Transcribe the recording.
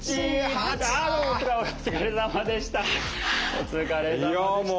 お疲れさまでした！